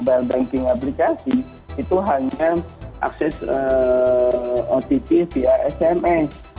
nah dengan kejadian seperti ini kita bisa menggunakan otp kita bisa menggunakan otp via sms